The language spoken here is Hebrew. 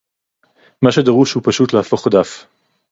מה שדרוש הוא פשוט להפוך דף